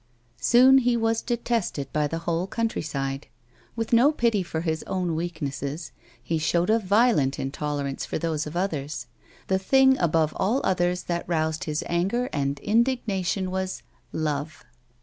Soon he was detested by the whole country side. "With no pity for his o'.vn weaknesses, he showed a violent intcl erance for those of others. The thing above all others that roused his anger and indignation was — love.